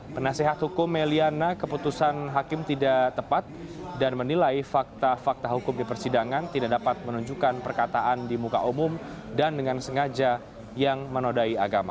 penasehat hukum meliana keputusan hakim tidak tepat dan menilai fakta fakta hukum di persidangan tidak dapat menunjukkan perkataan di muka umum dan dengan sengaja yang menodai agama